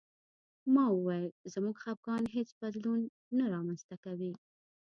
ما وویل زموږ خپګان هېڅ بدلون نه رامنځته کوي